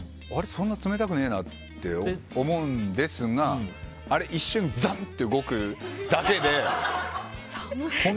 そんな冷たくねえなって思うんですがあれ、一瞬ザッと動くだけで。